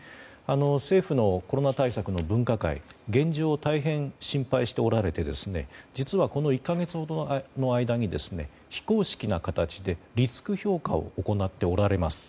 政府のコロナ対策の分科会現状を大変心配しておられて実は、この１か月ほどの間に非公式な形でリスク評価を行っておられます。